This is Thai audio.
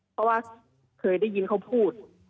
เพราะว่าเคยได้ยินเขาพูด